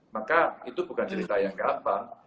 maka itu bukan cerita yang gampang